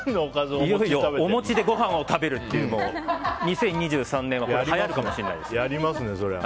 お餅でご飯を食べるっていうのを２０２３年ははやるかもしれないです。